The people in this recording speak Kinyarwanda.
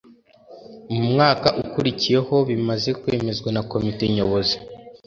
,mumwaka ukurikiyeho bimaze kwemezwa na Komite Nyobozi,